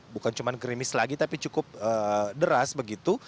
bukan cuma grimis lagi tapi cukup deras begitu